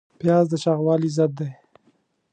پیاز د چاغوالي ضد دی